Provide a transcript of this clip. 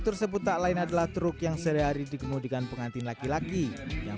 tersebut tak lain adalah truk yang seriari digunung dengan pengantin laki laki yang